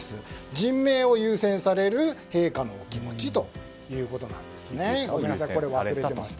人命を優先される陛下のお気持ちということです。